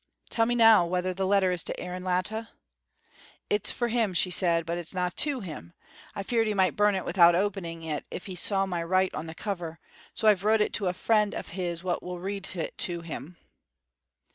"Tell me now whether the letter is to Aaron Latta?" "It's for him," she said, "but it's no' to him. I'm feared he might burn it without opening it if he saw my write on the cover, so I've wrote it to a friend of his wha will read it to him."